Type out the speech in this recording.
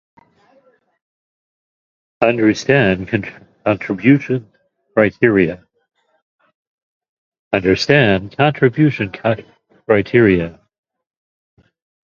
It is included in several versions of Microsoft Windows.